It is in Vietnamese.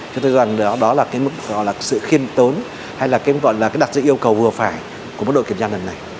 chúng tôi cho rằng đó là cái sự khiêm tốn hay là cái đặc dự yêu cầu vừa phải của một đội kiểm tra lần này